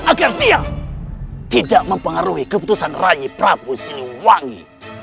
agar dia tidak mempengaruhi keputusan rai prabu siliwangi